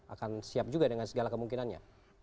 akan siap juga dengan segala kemungkinannya